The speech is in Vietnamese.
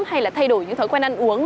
hay là thay đổi những thói quen ăn uống